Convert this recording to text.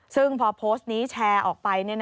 ซึ่งพอโพสต์นี้แชร์ออกไป